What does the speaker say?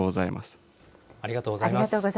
ありがとうございます。